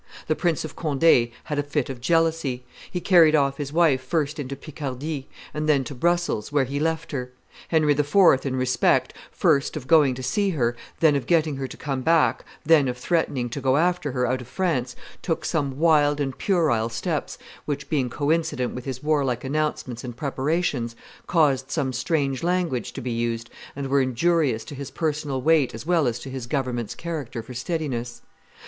The Prince of Conde had a fit of jealousy; he carried off his wife first into Picardy; and then to Brussels, where he left her. Henry IV., in respect, first, of going to see her, then of getting her to come back, then of threatening to go after her out of France, took some wild and puerile steps, which, being coincident with his warlike announcements and preparations, caused some strange language to be used, and were injurious to his personal weight as well as to his government's character for steadiness.